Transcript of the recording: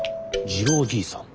次郎じいさん